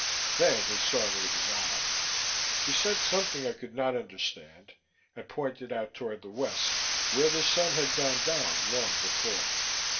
Then he saw that it was I. He said something I could not understand and pointed out toward the west, where the Sun had gone down long before.